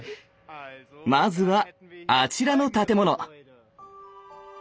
まずはあちらの建物。